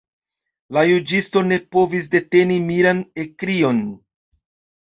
La juĝisto ne povis deteni miran ekkrion.